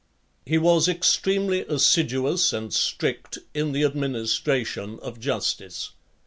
XLIII. He was extremely assiduous and strict in the administration of justice.